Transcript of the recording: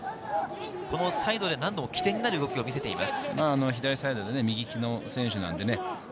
サイドで何度も基点になる動きを見せています。